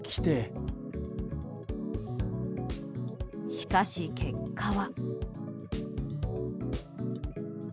しかし、結果は。